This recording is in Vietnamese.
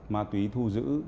ma túy thu giữ